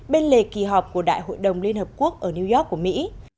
bên lề kỳ họp của đại hội đồng liên hợp quốc ở new york của mỹ